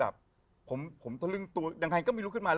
ผมจะรึ่งตัวดังทันก็ไม่รู้ขึ้นมา